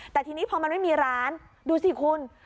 แต่ทีนี้พอมันไม่มีร้านดูสิคุณ